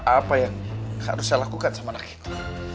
apa yang harus saya lakukan sama anak itu